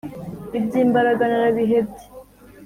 iby'imbaraga narabihebye.